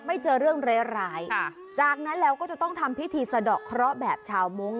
เจอเรื่องร้ายร้ายจากนั้นเราก็จะต้องทำพิธีสะดอกเคราะห์แบบชาวมุ้ง